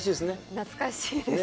懐かしいですね。